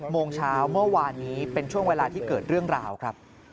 โมงเช้าเมื่อวานนี้เป็นช่วงเวลาที่เกิดเรื่องราวครับ